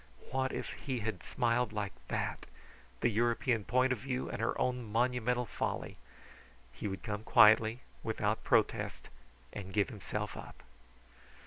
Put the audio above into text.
What if he had smiled like that! The European point of view and her own monumental folly. He would come quietly, without protest, and give himself up.